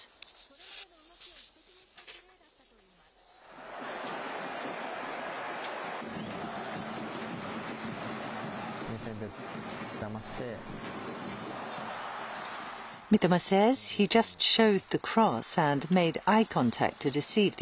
それまでの動きを布石にしたプレーだったといいます。